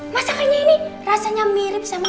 masakannya ini rasanya mirip sama